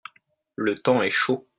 le temps est chaud.